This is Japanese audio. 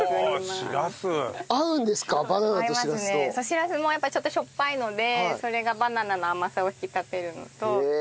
シラスもちょっとしょっぱいのでそれがバナナの甘さを引き立てるのと。